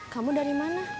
kamu dari mana